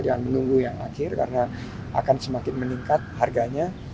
jangan menunggu yang akhir karena akan semakin meningkat harganya